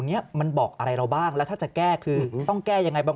เนี้ยมันบอกอะไรเราบ้างแล้วถ้าจะแก้คือต้องแก้ยังไงบ้าง